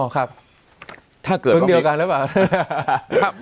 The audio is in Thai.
อ๋อครับปรึกเดียวกันหรือเปล่า